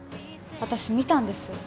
私見たんです。